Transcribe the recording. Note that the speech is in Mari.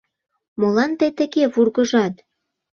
Молан тый тыге вургыжат?